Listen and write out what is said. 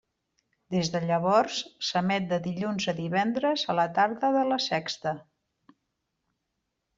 Des de llavors s'emet de dilluns a divendres a la tarda de La Sexta.